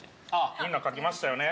みんな書きましたよね？